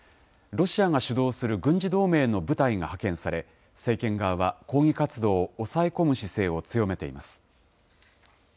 ロシアが主導する軍事同盟の部隊が派遣され、政権側は抗議活動を抑え込む姿勢を強めています。